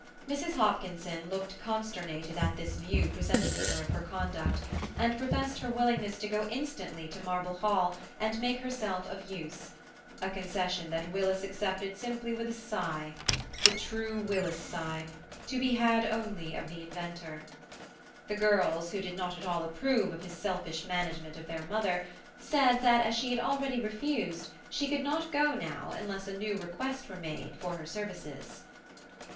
Mrs. Hopkinson looked consternated at the view presented to her of her conduct, and professed her willingness to go instantly to Marble Hall and make herself of use, a concession that Willis accepted simply with a sigh–the true Willis sigh, to be had only of the inventor. The girls, who did not at all approve of his selfish management of their mother, said that as she had already refused, she could not go now unless a new request were made for her services.